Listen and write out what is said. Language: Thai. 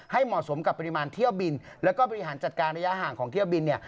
เหมาะสมกับปริมาณเที่ยวบินแล้วก็บริหารจัดการระยะห่างของเที่ยวบินเนี่ย